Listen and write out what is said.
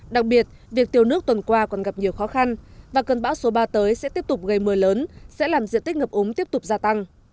đặc biệt việc tiêu nước tuần qua còn gặp nhiều khó khăn và cơn bão số ba tới sẽ tiếp tục gây mưa lớn sẽ làm diện tích ngập úng tiếp tục gia tăng